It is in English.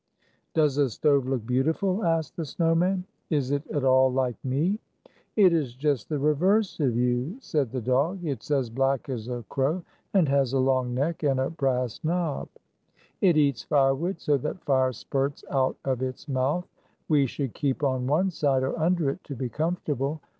"Does a stove look beautiful?" asked the snow man. "Is it at all like me?" " It is just the reverse of you," said the dog. 208 "It *s as black as a crow, and has a long neck and a brass knob. It eats firewood, so that fire spurts out of its mouth. We should keep on one side, or under it, to be comfortable.